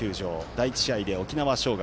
第１試合で沖縄尚学。